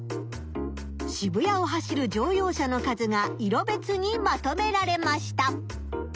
渋谷を走る乗用車の数が色別にまとめられました。